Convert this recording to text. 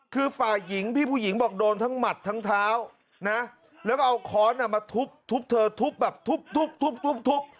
คือฝ่ายหญิงพี่ผู้หญิงบอกโดนทั้งหมัดทั้งเท้านะแล้วก็เอาข้อนน่ะมาทุบทุบเธอทุบแบบทุบทุบทุบทุบทุบ